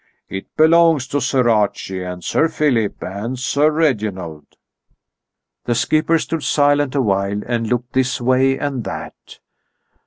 It belongs to Sir Archie and Sir Philip and Sir Reginald." The skipper stood silent awhile and looked this way and that.